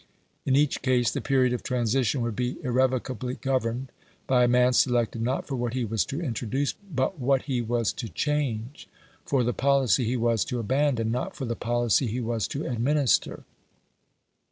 In each case the period of transition would be irrevocably governed by a man selected not for what he was to introduce, but what he was to change for the policy he was to abandon, not for the policy he was to administer.